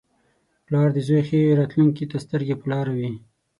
• پلار د زوی ښې راتلونکې ته سترګې په لاره وي.